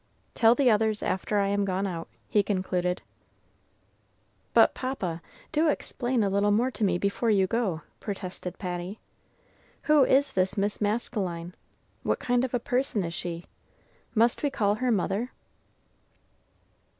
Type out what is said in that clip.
"Tell the others after I am gone out," he concluded. "But, Papa, do explain a little more to me before you go," protested Patty. "Who is this Miss Maskelyne? What kind of a person is she? Must we call her mother?"